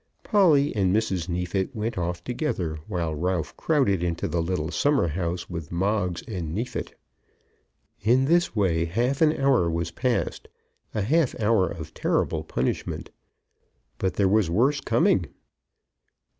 Polly and Mrs. Neefit went off together, while Ralph crowded into the little summer house with Moggs and Neefit. In this way half an hour was passed, a half hour of terrible punishment. But there was worse coming.